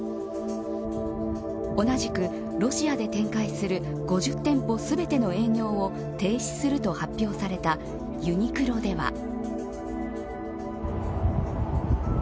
同じくロシアで展開する５０店舗全ての営業を停止すると発表されたユニクロでは。